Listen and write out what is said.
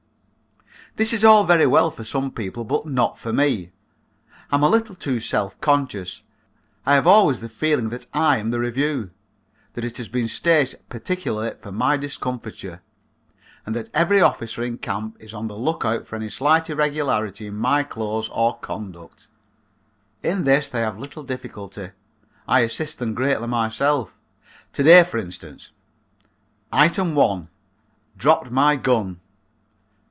This is all very well for some people, but not for me. I'm a little too self conscious. I have always the feeling that I am the review, that it has been staged particularly for my discomforture, and that every officer in camp is on the lookout for any slight irregularity in my clothes or conduct. In this they have little difficulty. I assist them greatly myself. To day, for instance: Item one: Dropped my gun.